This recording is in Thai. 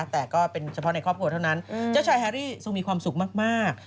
แต่ก็เป็นเฉพาะในครอบครัวเท่านั้นเจ้าชายแฮรี่ทรงมีความสุขมาก